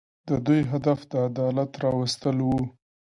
د دوی هدف د عدالت راوستل وو.